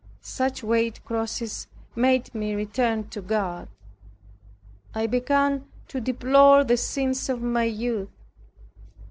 Such weighty crosses made me return to God. I began to deplore the sins of my youth.